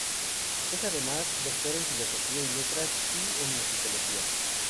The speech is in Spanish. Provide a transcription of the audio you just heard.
Es, además, Doctor en Filosofía y Letras y en Musicología.